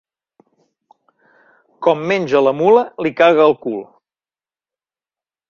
Com menja la mula li caga el cul.